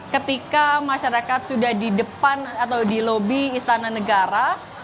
ketika masyarakat sudah di depan atau di lobi istana negara